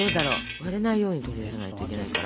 割れないように取り出さないといけないから。